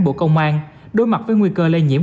bộ công an đối mặt với nguy cơ lây nhiễm